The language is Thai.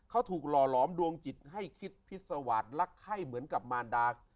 เขาถูกหล่อหลอมดวงจิตให้คิดพิษวาสรักไข้เหมือนกับมารดา